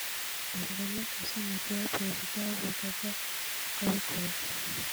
Benjamin Gasamagera Perezida w’Urugaga rw’abikorera